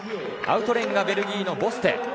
アウトレーンがベルギーのボステ。